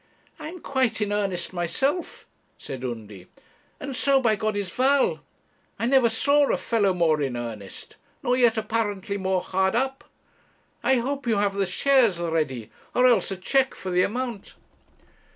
'I am quite in earnest myself,' said Undy; 'and so, by G , is Val. I never saw a fellow more in earnest nor yet apparently more hard up. I hope you have the shares ready, or else a cheque for the amount.'